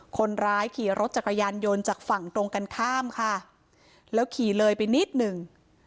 คนร้ายขี่รถจักรยานยนต์จากฝั่งตรงกันข้ามค่ะแล้วขี่เลยไปนิดหนึ่ง